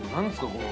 この。